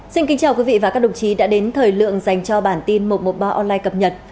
xin kính chào quý vị và các đồng chí đã đến thời lượng dành cho bản tin một trăm một mươi ba online cập nhật